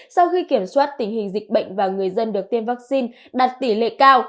sau khi kiểm soát tình hình dịch bệnh và người dân được tiêm vaccine đạt tỷ lệ cao